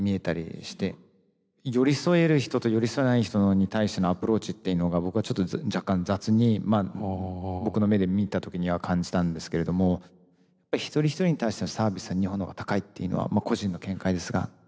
寄り添える人と寄り添えない人に対してのアプローチっていうのが僕はちょっと若干雑に僕の目で見た時には感じたんですけれども一人一人に対してのサービスは日本の方が高いっていうのは個人の見解ですが。